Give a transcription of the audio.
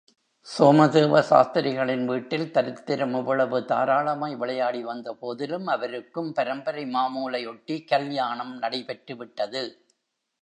சோமதேவ சாஸ்திரிகளின் வீட்டில் தரித்திரம் இவ்வளவு தாராளமாய் விளையாடி வந்தபோதிலும், அவருக்கும் பரம்பரை மாமூலையொட்டி கல்யாணம் நடைபெற்று விட்டது.